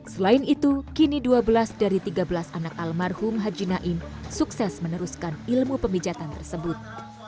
selain itu kini dua belas dari tiga belas anak almarhum haji naim sukses meneruskan ilmu pemijatan tersebut